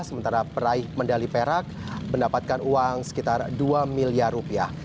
sementara peraih medali perak mendapatkan uang sekitar dua miliar rupiah